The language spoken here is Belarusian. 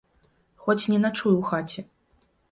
Хоць не начуй у хаце.